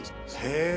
へえ。